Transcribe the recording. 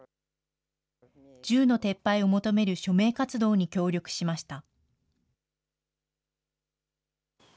銃の撤廃を求める署名活動に協力しました。